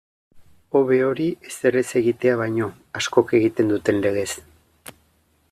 Hobe hori ezer ez egitea baino, askok egiten duten legez.